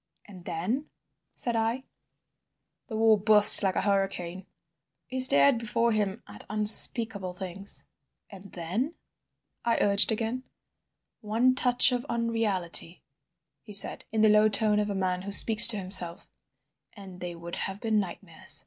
"And then?" said I. "The war burst like a hurricane." He stared before him at unspeakable things. "And then?" I urged again. "One touch of unreality," he said, in the low tone of a man who speaks to himself, "and they would have been nightmares.